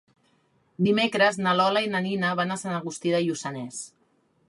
Dimecres na Lola i na Nina van a Sant Agustí de Lluçanès.